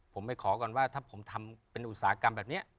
ผมไปขอก่อนว่าถ้าผมทำเป็นอุตสาหกรรมแบบนี้